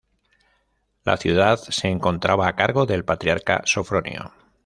La ciudad se encontraba a cargo del patriarca Sofronio.